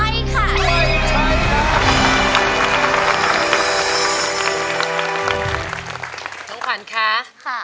น้องขวานค่ะ